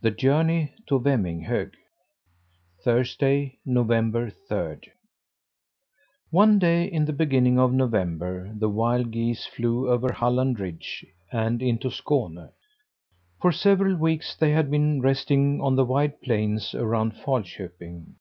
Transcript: THE JOURNEY TO VEMMINGHÖG Thursday, November third. One day in the beginning of November the wild geese flew over Halland Ridge and into Skåne. For several weeks they had been resting on the wide plains around Falköping.